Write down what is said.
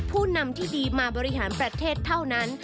ผู้นำที่ดีมาบริหารประเทศเท่านั้น